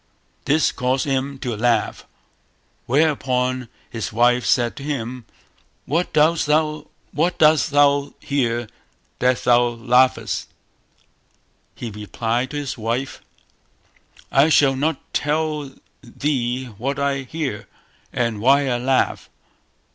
This caused him to laugh, whereupon his wife said to him "What dost thou hear that thou laughest?" He replied to his wife "I shall not tell thee what I hear, and why I laugh".